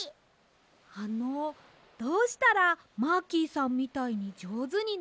あのどうしたらマーキーさんみたいにじょうずになりますか？